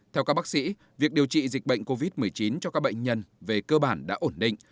theo các bác sĩ việc điều trị dịch bệnh covid một mươi chín cho các bệnh nhân về cơ bản đã ổn định